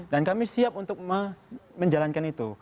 dan kami siap untuk menjalankan itu